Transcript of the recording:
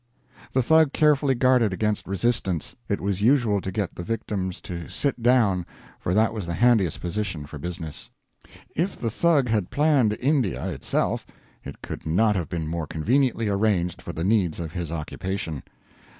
The Thug carefully guarded against resistance. It was usual to to get the victims to sit down, for that was the handiest position for business. If the Thug had planned India itself it could not have been more conveniently arranged for the needs of his occupation.